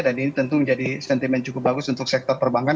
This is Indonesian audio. dan ini tentu menjadi sentimen cukup bagus untuk sektor perbankan